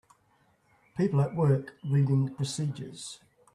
People at work reading procedures.